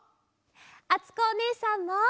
あつこおねえさんも！